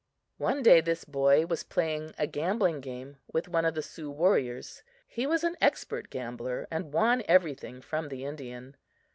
One day this boy was playing a gambling game with one of the Sioux warriors. He was an expert gambler, and won everything from the Indian.